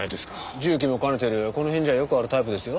住居も兼ねてるこの辺じゃよくあるタイプですよ。